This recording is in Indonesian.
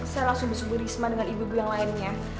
saya langsung besok berisma dengan ibu ibu yang lainnya